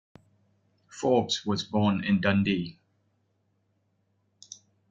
Forbes was born in Dundee.